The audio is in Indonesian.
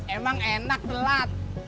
emang enak telat